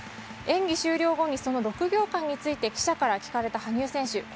演技終了後にその６秒間について記者から聞かれた羽生選手